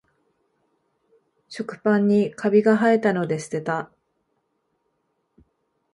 食パンにカビがはえたので捨てた